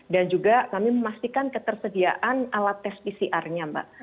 dan juga kami memastikan ketersediaan alat test pcr nya mbak